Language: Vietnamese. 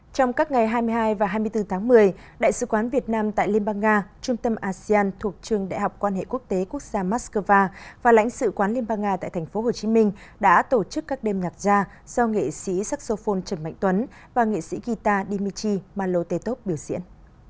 trong các ngày hai mươi hai và hai mươi bốn tháng một mươi đại sứ quán việt nam tại liên bang nga trung tâm asean thuộc trường đại học quan hệ quốc tế quốc gia moscow và lãnh sự quán liên bang nga tại tp hcm đã tổ chức các đêm nhạc gia do nghệ sĩ saxophone trần mạnh tuấn và nghệ sĩ guitar dimitri malotetov biểu diễn